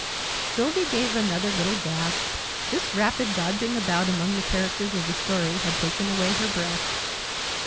Sylvie gave another little gasp: this rapid dodging about among the characters of the Story had taken away her breath.